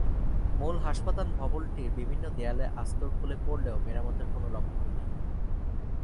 মূল হাসপাতাল ভবনটির বিভিন্ন দেয়ালের আস্তর খুলে পড়লেও মেরামতের কোনো লক্ষণ নেই।